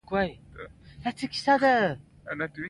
بچو! لوبه د سوپر پاور ده او پښتانه پکې دل شول.